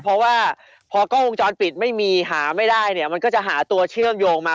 เพราะว่าพอกล้องวงจรปิดไม่มีหาไม่ได้เนี่ยมันก็จะหาตัวเชื่อมโยงมา